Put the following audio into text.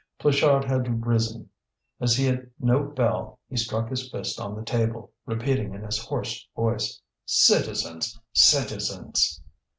Pluchart had risen. As he had no bell he struck his fist on the table, repeating in his hoarse voice: "Citizens, citizens!"